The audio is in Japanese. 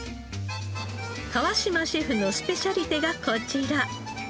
川島シェフのスペシャリテがこちら。